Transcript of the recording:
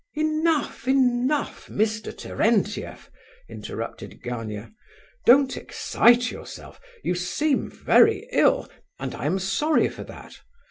"Enough! enough! Mr. Terentieff," interrupted Gania. "Don't excite yourself; you seem very ill, and I am sorry for that.